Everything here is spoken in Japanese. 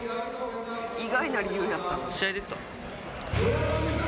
意外な理由やったな。